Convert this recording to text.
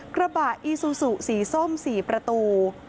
กระบะอีซูซูสีส้ม๔ประตู